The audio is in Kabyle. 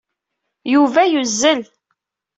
Yuba yuzzel.